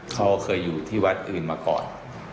เขาเคยอยู่ที่วัดอื่นมาก่อน